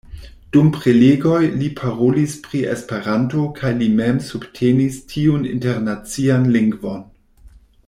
Dum prelegoj, li parolis pri Esperanto kaj li mem subtenis tiun Internacian Lingvon.